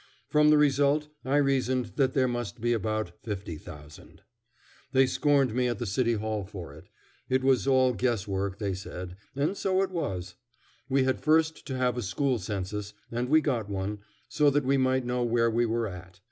From the result I reasoned that there must be about 50,000. They scorned me at the City Hall for it. It was all guess work they said, and so it was. We had first to have a school census, and we got one, so that we might know where we were at.